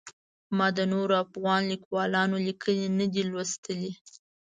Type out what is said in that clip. ما د نورو افغان لیکوالانو لیکنې نه دي لوستلي.